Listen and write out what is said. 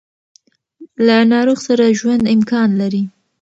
له ناروغ سره ژوند امکان لري.